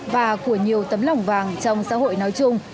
và của nhiều tấm lòng vàng trong xã hội nói chung